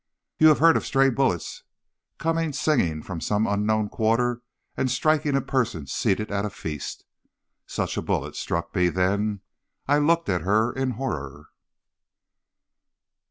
"You have heard of stray bullets coming singing from some unknown quarter and striking a person seated at a feast. Such a bullet struck me then. I looked at her in horror."